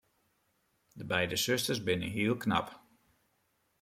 Dy beide susters binne hiel knap.